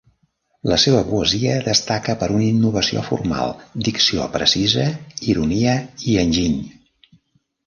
La seva poesia destaca per una innovació formal, dicció precisa, ironia i enginy.